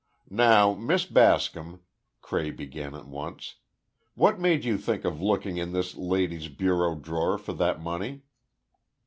"Now, Miss Bascom," Cray began at once, "what made you think of looking in this lady's bureau drawer for that money?"